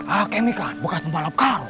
a'ah kamu kan bukan pembalap karo